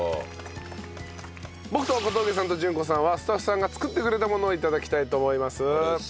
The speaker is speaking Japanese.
僕と小峠さんと順子さんはスタッフさんが作ってくれたものを頂きたいと思います。